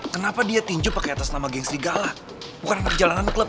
kenapa dia tinju pake atas nama geng serigala bukan anak kejalanan klub